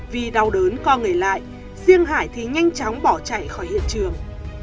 vì đau đớn co người lại riêng hải thì nhanh chóng bỏ chạy khỏi hiện trường